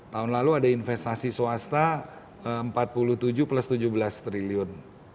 tahun lalu ada investasi swasta empat puluh tujuh plus tujuh belas triliun